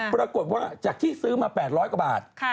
ปรากฏว่าจากที่ซื้อมา๘๐๐กว่าบาท